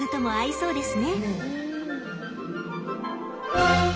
そうですよ。